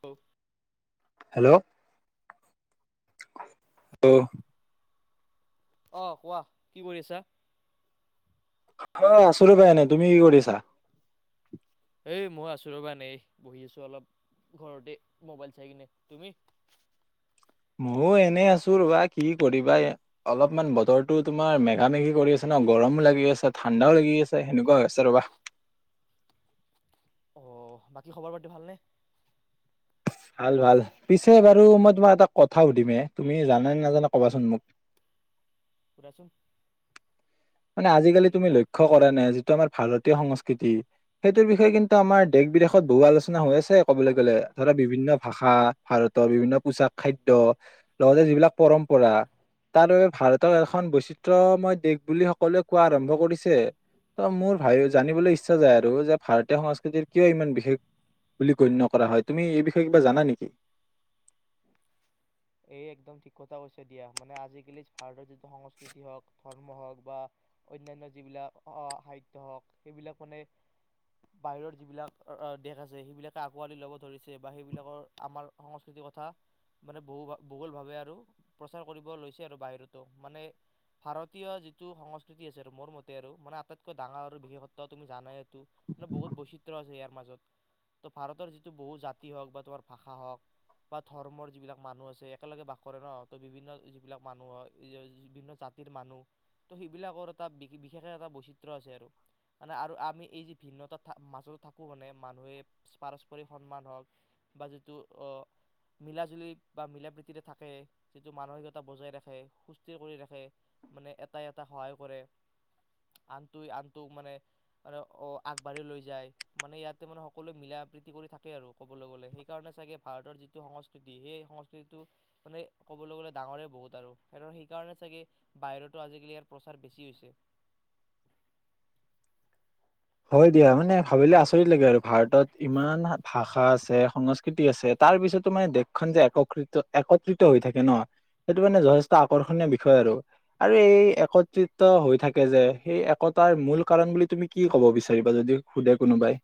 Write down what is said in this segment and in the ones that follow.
হ [unintelligible] হেল্ল' অ অহ কোৱা কি কৰি আছা? অ সুৰভাইনে তুমি কৰি়ছা? এ মই আছোঁ ৰ'বা নেই বহি আছো অলপ ঘৰতে মোবাইল চাই কিনে। তুমি? ময়ো এনে আছো ৰবা কি কৰিবা এই অলপমান বতৰটো তোমাৰ মেঘা মেঘি কৰি আছে ন গৰমো লাগি আছে, ঠাণ্ডাও লাগি আছে, সেনেকুৱা আ হৈছে ৰবা। অঁ বাকী খবৰ পাতি ভালনে? ভাল ভাল পিছে বাৰু মই তোমাক এটা কথা সুধিমে, তুমি জানানে নাজানে কবাচোন মোক? সুধাচোন মানে আজিকালি তুমি লক্ষ্য কৰা নাই আজ আমাৰ ভাৰতীয় সংস্কৃতি সেইটোৰ বিষয়ে কিন্তু আমাৰ দেশ বিদেশত বহু আলোচনা হৈ আছে ক'বলৈ গ'লে। ধৰা বিভিন্ন ভাষা, ভাৰতৰ বিভিন্ন পোচাক খাদ্য, লগতে যিবিলাক পৰম্পৰা তাৰ বাবে ভাৰতৰ এখন বৈচিত্ৰময় দেশ বুলি সকলোৱে কোৱা আৰম্ভ কৰিছে। ত মোৰ ভ জানিবলৈ ইচ্ছা যায় আৰু, যে ভাৰতীয় সংস্কৃতিৰ কিয় ইমান বিশেষ বুলি গণ্য কৰা হয়। তুমি এই ত কিবা জানা নেকি? এই একদম ঠিক কথা কৈছে দিয়া। মানে আজিকালি ভাৰতৰ যি সংস্কৃতি হওক, ধৰ্ম হওক বা অনান্য যিবিলাক সাহিত্য হওক, সেইবিলাক মানে বাহিৰৰ যিবিলাক দেশ আছে সেইবিলাকে আকোৱালি ল'ব ধৰিছে বা সেইবিলাকৰ আমাৰ সংস্কৃতিৰ কথা মানে বহু ভূগোল ভাৱে আৰু প্ৰচাৰ কৰিব লৈছে আৰু বাহিৰতো। মানে ভাৰতীয় যিটো সংস্কৃতি আছে আৰু মোৰ মতে আৰু মানে আটাইতকৈ ডাঙৰ আৰু বিশেষত্ব তুমি জানাই বহুত বৈচিত্ৰ আছে ইয়াৰ মাজত। ত ভাৰতৰ যিটো বহু জাতি হওক বা তোমাৰ ভাষা হওক বা ধৰ্মৰ যিবিলাক মানুহ আছে, একেলগে বাস কৰে ন ত' বিভিন্ন যিবিলাক মানুহ বিভিন্ন জাতিৰ মানুহ ত' সেইবিলাকৰ এটা বিশেষে এটা বৈচিত্ৰ আছে আৰু মানে আৰু আমি এই যি ভিন্নতা মাজত থাকো মানে মানুহে পাৰস্পৰিক সন্মান হওক বা যিটো মিলাজুলি বা মিলা প্ৰীতিৰে থাকে যিটো মানসিকতা বজাই ৰাখে সুস্থিৰ কৰি ৰাখে মানে এটাাই এটা সহায় কৰে আনটোৱে আনটোক মানে অ আগবাঢ়ি লৈ যায় মানে ইয়াতে মানে সকলোৱে মিলা প্ৰীতি কৰি থাকে আৰু ক'বলৈ গ'লে সেইকাৰণে চাগে ভাৰতৰ যিটো সংস্কৃতি সেই সং সেইটো মানে ক'বলৈ গ'লে ডাঙৰে বহুত আৰু স সেইকাৰণে চাগে বাহিৰতো আজিকালি ইয়াৰ প্ৰচাৰ বেছি হৈছে হয় দিয়া মানে ভাবিলে আচৰিত লাগে আৰু ভাৰতত ইমান ভাষা আছে সংস্কৃতি আছে তাৰ পিছতো মানে দেশখন যে একতিত একত্ৰিত হৈ থাকে ন সেইটো মানে যথেষ্ট আকৰ্ষণীয় বিষয় আৰু আৰু এই একত্ৰিত হৈ থাকে যে সেই একতাৰ মূল কাৰণ বুলি তুমি কি কি কব বিচাৰিবা যদি সোধে কোনোবাই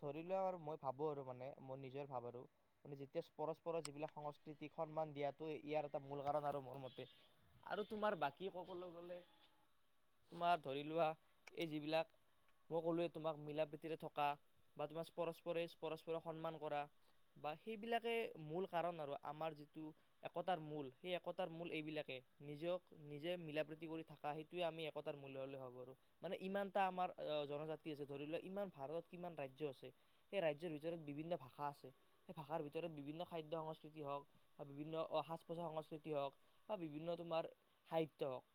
ধৰি লোৱা আৰু মই ভাবো আৰু মানে মই নিজৰ ভাব আৰু মানে যেতিয়া পৰস্পৰৰ যিবিলাক সংস্কৃতিক সন্মান দিয়টো ইয়াৰ এটা মূল কাৰণ আৰু মোৰ মতে আৰু তোমাৰ বাকী কবলৈ গলে তোমাৰ ধৰি লোৱা এই যিবিলাক মই কলোে তোমাক মিলা প্ৰীতিৰে থকা বা তোমাৰ পৰস্পৰে পৰস্পৰক সন্মান কৰা বা সেইবিলাকে মূল কাৰণ আৰু আমাৰ যিটো একতাৰ মূল সেই একতাৰ মূল এইবিলাকে নিজক নিজে মিলা প্ৰীতি কৰি থকা সেইটোৱে আমি একতাৰ মূল ভাবোঁ আৰু মানে ইমান এটা আমাৰ জনজাতি আছে ধৰি লোৱাক ইমান ভাৰত কিমান ৰাজ্য আছে সেই ৰাজ্য ভিতৰত বিভিন্ন ভাষা আছে সেই ভাষাৰ ভিতৰত বিভিন্ন খাদ্য সংস্কৃতি হওক বা বিভিন্ন সাজ পোছাক সংস্কৃতি হওক বা বিভিন্ন তোমাৰ সাহিত্য হওক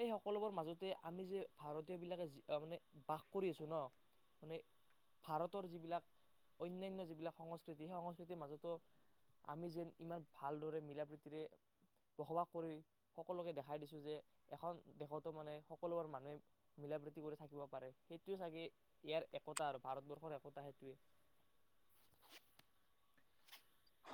সেই সকলোবোৰ মাজতে আমি যে ভাৰতীয় বিলাকে মানে বাস কৰি আছো ন মানে ভাৰতৰ যিবিলাক অনান্য যিবিলাক সংস্কৃতি সেই সংস্কৃতিৰ মাজতো আমি যেন ইমান ভালদৰে মিলা প্ৰীতিৰে বসবাস কৰি সকলোকে দেখাই দিছো যে এখন দেশতো মানে সকলোবোৰ মানুহে মিলা প্ৰীতি কৰি থাকিব পাৰে সেইটোৱে চাগে ইয়াৰ একতা আৰু ভাৰতবৰ্ষৰ একতা সেইটোৱে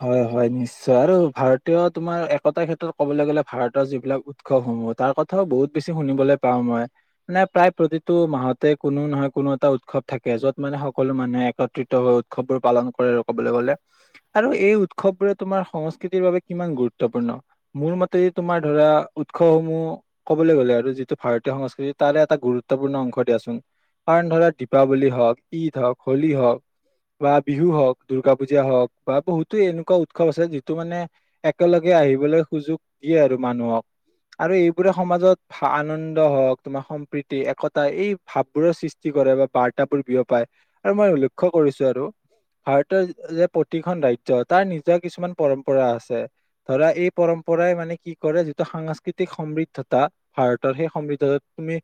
হয় হয় নিশ্চয় আৰু ভাৰতীয় তোমাৰ একতাৰ ক্ষেত্ৰত কবলৈ গলে ভাৰতৰ যিবিলাক উৎসৱসমূহ তাৰ কথাও বহুত বেছি শুনিবলৈ পাও মই মানে প্ৰায় প্ৰতিটো মাহতে কোনো নহয় কোনো এটা উৎসৱ থাকে যত মানে সকলো মানুহে একত্ৰিত হৈ উৎসৱবোৰ পালন কৰে আৰু কবলৈ গলে আৰু এই উৎসৱবোৰে তোমাৰ সংস্কৃতিৰ বাবে কিমান গুৰুত্বপূৰ্ণ মূোৰ মতে তোমাৰ ধৰা উৎসৱসমূহ কবলৈ গলে আৰু যিটো ভাৰতীয় সংস্কৃতি তাৰে এটা গুৰুত্বপূৰ্ণ অংশ দিয়াচোন কাৰণ ধৰা দীপাৱলী হওক ঈদ হওক হোলী হওক বা বিহু হওক দুূৰ্গা পূজা হওক বা বহুতো এনেকুৱা উৎসৱ আছে যিটো মানে একেলগে আহিবলৈ সুযোগ দিয়ে আৰু মানুহক আৰু এইবোৰে সমাজত আনন্দ হওক তোমাৰ সম্প্ৰীতি একতা এই ভাৱবোৰৰ সৃষ্টি কৰে বা বাৰ্তাবোৰ বিয় পায় আৰু মই লক্ষ্য কৰিছো আৰু ভাৰতৰ যে প্ৰতিখন ৰাজ্যৰ তাৰ নিজৰ কিছুমান পৰম্পৰা আছে ধৰা এই পৰম্পৰাই মানে কি কৰে যিটো সাংস্কৃতিক সমৃদ্ধতা ভাৰতৰ সেই সমৃদ্ধতাত তুমি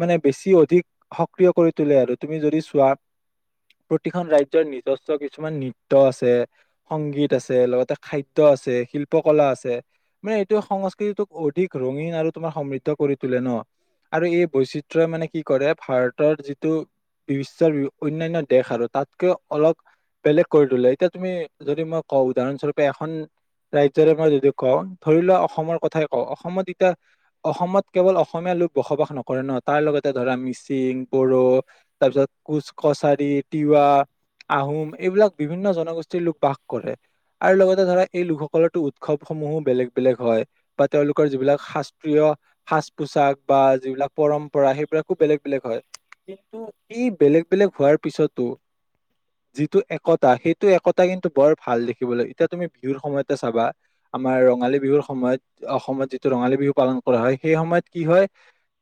মানে বেছি অধিক সক্ৰিয় কৰি তোলে আৰু তুমি যদি চোৱা প্ৰতিখন ৰাজ্যৰ নিজস্ব কিছুমান আছে সংগীত আছে লগতে খাদ্য আছে শিল্পকলা আছে মানে এইটো সংস্কৃতিটোক অধিক ৰঙীন আৰু তোমাৰ সমৃদ্ধ কৰি তোলে ন আৰু এই বৈচিত্ৰই মানে কি কৰে ভাৰতৰ যিটো বিশ্বৰ অন্যান্য দেশ আৰু তাতকৈ অলপ বেলেগ কৰি তলে এতিয়া তুমি যদি মই কওঁ উদাহৰণস্বৰূপে এখন ৰাজ্যৰ মই যদি কওঁ ধৰি লোৱা অসমৰ কথাই কওঁ অসমত এতিয়া অসমত কেৱল অসমীয়া লোক বসবাস নকৰে ন তাৰ লগতে ধৰা মিচিং বড়ো তাৰপিছত কোচ কছাৰী তিৱা আহোম এইবিলাক বিভিন্ন জনগোষ্ঠীৰ লোক বাস কৰে আৰু লগতে ধৰা এই লোকসকলৰো উৎসৱসমূহো বেলেগ বেলেগ হয় বা তেওঁলোকৰ যিবিলাক শাস্ত্ৰীয় সাজ পোছাক বা যিবিলাক পৰম্পৰা সেইবিলাকো বেলেগ বেলেগ হয় কিন্তু এই বেলেগ বেলেগ হোৱাৰ পিছতো যিটো একত সেইটো একতা কিন্তু বৰ ভাল দেখিবলৈ এতিয়া তুমি বিহুৰ সময়তে চাবা আমাৰ ৰঙালী বিহুৰ সময়ত অসমত যিটো ৰঙালী বিহু পালন কৰা হয় সেই সময়ত কি হয়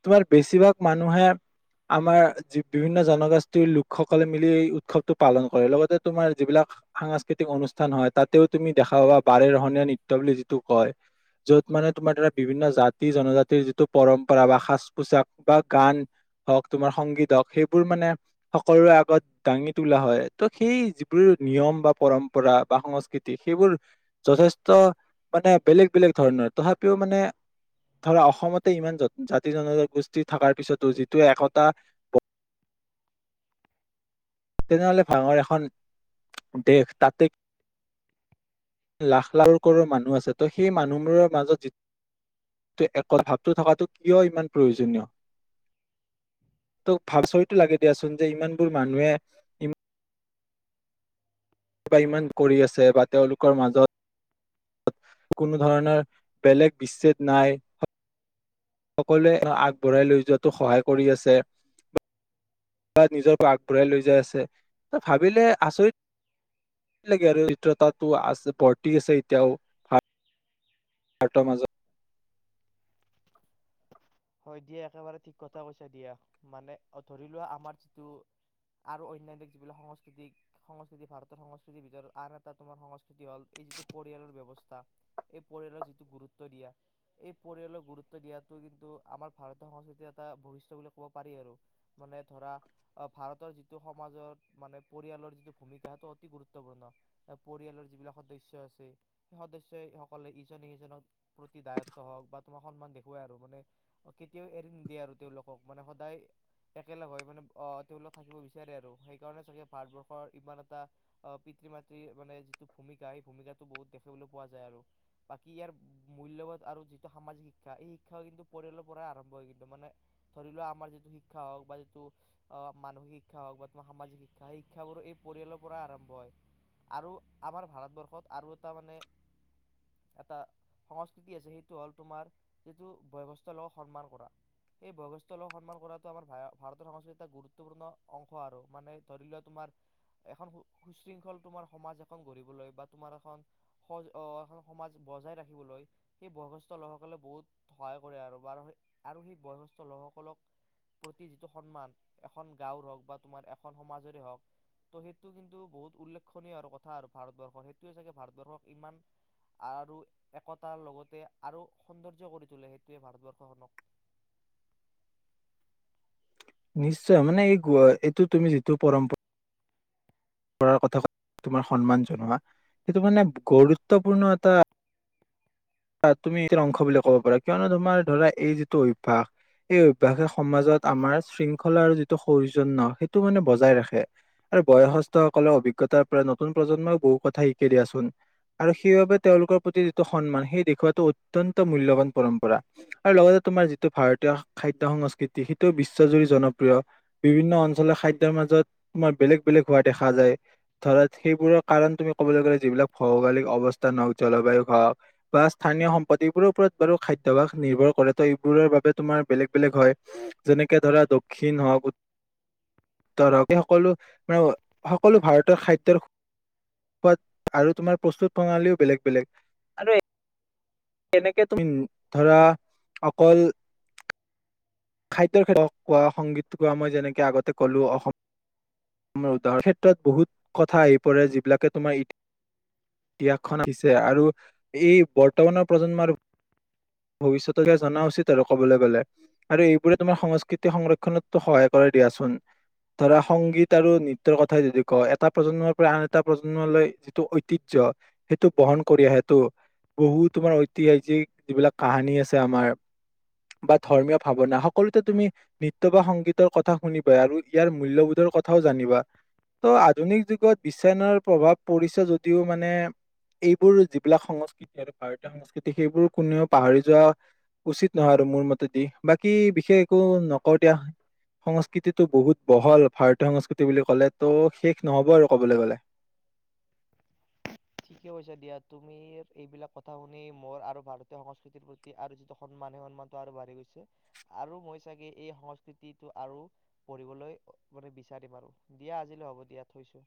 তোমাৰ বেছিভাগ মানুহে আমাৰি বিভিন্ন জনগোষ্ঠীৰ লোকসকলে মিলি এই উৎসৱটো পালন কৰে লগতে তোমাৰ যিবিলাক সাংস্কৃতিক অনুষ্ঠান হয় তাতেও তুমি দেখা পাবা বাৰে ৰহনীয়া নৃত্য বুলি যিটো কয় যত মানে তোমাৰ দাৰা বিভিন্ন জাতি জনজাতিৰ যিটো পৰম্পৰা বা সাজ পোছাক বা গান হওক তোমাৰ সংগীত হওক সেইবোৰ মানে সকলোৰে আগত দাঙি তোলা হয় ত সেই যিবোৰ নিয়ম বা পৰম্পৰা বা সংস্কৃতি সেইবোৰ যথেষ্ট মানে বেলেগ বেলেগ ধৰণৰ তথাপিও মানে ধৰা অসমতে ইমান জাতি জনগোষ্ঠী থকাৰ পিছতো যিটোে একতা তেনেহ'লে ডাঙৰ এখন দেশ তাতে লাখ লাখ কৰ মানুহ আছে ত সেই মানুহবোৰৰ মাজত য একতাৰ ভাৱটো থকাটো কিয় ইমান প্ৰয়োজনীয় তোক ভাবি আচৰিতো লাগে দিয়াচোন যে ইমানবোৰ মানুহে ইমান ইমান কৰি আছে বা তেওঁলোকৰ মাজত কোনো ধৰণৰ বেলেগ বিচ্ছেদ নাই। সকলোৱে আগবঢ়াই লৈ যোৱাতো সহায় কৰি আছে নিজৰ পৰা আগবঢ়াই লৈ যাই আছে ভাবিলে আচৰিত লাগে আৰু আন্তৰিকতাটো আছে বৰ্তি আছে এতিয়াও ভক্তৰ মাজত হয় দিয়া একেবাৰে ঠিক কথা কৈছা দিয়া মানে ধৰি লোৱা আমাৰ যিটো আৰু অন্যান্য যিবিলাক সংস্কৃতিক সংস্কৃতি ভাৰতৰ সংস্কৃতিৰ ভিতৰত আন এটা তোমাৰ সংস্কৃতি হল এই যিটো পৰিয়ালৰ ব্যৱস্থা এই পৰিয়ালৰ যিটো গুৰুত্ব দিয়া এই পৰিয়ালৰ গুৰুত্ব দিয়াটো কিন্তু আমাৰ ভাৰতীয় সংস্কৃতিৰ এটা ভৱিষ্য বুলি ক'ব পাৰি আৰু মানে ধৰা ভাৰতৰ যিটো সমাজৰ মানে পৰিয়ালৰ যিটো ভূমিকা সেইটো অতি গুৰুত্বপূৰ্ণ পৰিয়ালৰ যিবিলাক সদস্য আছে সেই সদস্য সকলে ইজনে সিজননৰ প্ৰতি দায়ত্ব হওক বা তোমাক সন্মান দেখুৱাই আৰু মানে কেতিয়াও এৰি নিদিয়ে আৰু তেওঁলোকক মানে সদায় একেলগ হৈ মানে আহ তেওঁলোকক থাকিব বিচাৰে আৰু সেইকাৰণে চাগে ভাৰতবৰ্ষৰ ইমান এটা পিতৃ মাতৃৰ মানে যিটো ভূমিকা সেই ভূমিকাটো বহুত দেখিবলৈ পোৱা যায় আৰু বাকী ইয়াৰ মূল্যবোধ আৰু যিটো সামাজিক শিক্ষা এই শিক্ষাও কিন্তু পৰিয়াল পৰা আৰম্ভ হৈ গৈছে মানে ধৰি লোৱা আমাৰ যিটো শিক্ষা হওক বা যিটো অ মানসিক শিক্ষা হওক বা তোমাৰ সামাজিক শিক্ষা সেই শিক্ষাাবোৰ এই পৰিয়ালৰ পৰাই আৰম্ভ হয় আৰু আমাৰ ভাৰতবৰ্ষত আৰু এটা মানে এটা সংস্কৃতি আছে সেইটো হ'ল তোমাৰ যিটো ব্যৱস্থা সেই বয়সস্থষ্ঠ লোকক সন্মান কৰাতটো আমাৰ ভাৰতৰ সংস্কৃতিৰ এটা গুৰুত্বপূৰ্ণ অংশ আৰু মানে ধৰি লোৱা তোমাৰ এখন সুশৃংখল তোমাৰ সমাজ এখন গঢ়িবলৈ বা তোমাৰ এখন এখন সমাজ বজাই ৰাখিবলৈ সেই বয়সস্থষ্ঠ লোকসকলে বহুত সহায় কৰে আৰু আৰু সেই বয়সস্থ লোকসকলক প্ৰতি যিটো সন্মান এখন গাঁওৰ হওক বা তোমাৰ এখন সমাজৰে হওক ত সেইটো কিন্তু বহুত উল্লেখননীয় কথা আৰু ভাৰতবৰ্ষৰ সেইটোয়ে চাগে ভাৰতবৰ্ষক ইমান আৰু একতাৰ লগতে আৰু সৌন্দৰ্য কৰি তোলে গোটেই ভাৰতবৰ্ষখনক নিশ্চয় মানে এই এইটো তুমি যিটো পৰম্পৰা কৰাৰ কথা তোমাৰ সন্মান জনোৱা সেইটো মানে গুৰুত্বপূৰ্ণ এটা তুমি অংশ বুলি ক'ব পাৰা কিয়নো তোমাৰ ধৰা এই যিটো অভ্যাস এই অভ্যাসে সমাজত আমাৰ শৃংখলা আৰু যিটো সৌজন্য সেইটো মানে বজাই ৰাখে আৰু বয়সস্থ সকলৰ অভিজ্ঞতাৰ পৰা নতুন প্ৰজন্মই বহু কথা শিকাই দিয়াচোন আৰু সেইবাবে তেওঁলোকৰ প্ৰতি যিটো সন্মান সেই দেখুওৱাটো অত্যন্ত মূল্যবান পৰম্পৰা আৰু লগতে তোমাৰ যিটো ভাৰতীয় খাদ্য সংস্কৃতি সেইটো বিশ্বজুৰি জনপ্ৰিয় বিভিন্ন অঞ্চলৰ খাদ্যয়ৰ মাজত তোমাৰ বেলেগ বেলেগ হোৱা দেখা যায় ধৰক সেইবোৰৰ কাৰণ তুমি কবলৈ গ'লে যিবিলাক ভৌগলিক অৱস্থান হওঁক জলবায়ু হওক বা স্থানীয় সম্পদ এইবোৰৰ ওপৰত বাৰু খাদ্যভাস নিৰ্ভৰ কৰে ত এইবোৰৰ বাবে তোমাৰ বেলেগ বেলেগ হয় যেনেকে ধৰা দক্ষিণ হওক উত্তৰ হওক এই সকলো সকলো ভাৰতৰ খাদ্যৰ সোৱাদ আৰু তোমাৰ প্ৰস্তুত প্ৰণালীও বেলেগ বেলেগ কেনেকে তুমি ধৰা অকল খাদ্যৰ ক কোৱা সংগীত কোৱা মই যেনেকে আগতে কলো অসম উদাহৰণ ক্ষেত্ৰত বহুত কথা আহি পৰে যিবিলাকে তোমাৰ ই ইতিহাসখন আহিছে আৰু এই বৰ্তমানৰ প্ৰজন্মৰ ভৱিষ্যত জনা উচিত আৰু কবলৈ গলে আৰু এইবোৰে তোমাৰ সংস্কৃতি সংৰক্ষনতটো সহায় কৰা দিয়াচোন ধৰা সংগীত আৰু নৃত্য কথাই যদি কওঁ এটা প্ৰজন্মৰ পৰা আন এটা প্ৰজন্মলৈ যিটো ঐতিহ্য সেইটো বহন কৰি আহে। টো বহু তোমাৰ ঐতিহাসিক যিবিলাক কাহানী আছে আমাৰ বা ধৰ্মীয় ভাৱনা সকলোতে তুমি নৃত্য বা সংগীতৰ কথা শুনিবা আৰু ইয়াৰ মূল্যবোধৰ কথাও জানিবা ত' আধুনিক যুগত বিশচনৰ প্ৰভাৱ পৰিছে যদিও মানে এইবোৰ যিবিলাক সংস্কৃতি আৰু ভাৰতীয় সংস্কৃতি সেইবোৰ কোনেও পাহৰি যোৱা উচিত নহয় আৰু মোৰ মতেদি বাকী বিশেষ একো নক দিয়া সংস্কৃতিটো বহুত বহল ভাৰতীয় সংস্কৃতি বুলি কলে ত' শেষ নহব আৰু কবলৈ গলে ঠিকে কৈছা দিয়া তুমি এইবিলাক কথা শুনি মোৰ আৰু ভাৰতীয় সংস্কৃতিৰ প্ৰতি আৰু যিটো সন্মান সেই সন্মানটো আৰু বাঢ়ি গৈছে আৰু মই চাগে এই সংস্কৃতিটো আৰু পঢ়িবলৈ মানে বিচাৰিম আৰু দিয়া আজিলৈ হ'ব দিয়া থৈছো